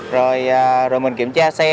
rồi mình kiểm tra xe